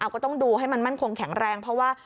ก็ต้องดูให้มันมั่นคงแข็งแรงเพราะว่า